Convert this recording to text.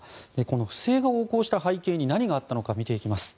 不正が横行した背景に何があったのか、見ていきます。